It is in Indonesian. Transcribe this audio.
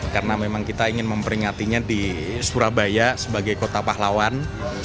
karena memang kita ingin memperingatinya di surabaya sebagai kota pahlawan